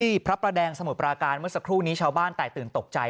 พระประแดงสมุทรปราการเมื่อสักครู่นี้ชาวบ้านแตกตื่นตกใจ